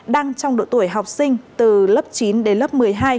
đang trong độ tuổi học sinh từ lớp chín đến lớp một mươi hai